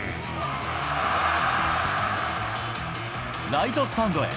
ライトスタンドへ。